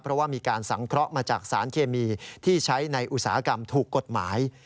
เพราะว่ามีการสังเคราะห์มาจากสารเคมีที่ใช้ในอุตสาหกรรมถูกกฎหมาย